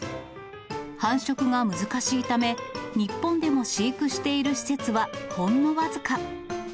繁殖が難しいため、日本でも飼育している施設はほんの僅か。